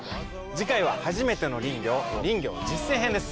次回は「はじめての林業林業実践編」です。